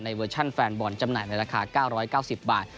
เวอร์ชันแฟนบอลจำหน่ายในราคา๙๙๐บาท